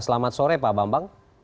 selamat sore pak bambang